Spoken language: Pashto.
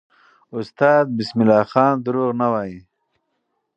استاد بسم الله خان دروغ نه وایي.